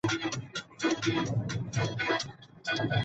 Nació en el seno de una familia franco-italiana.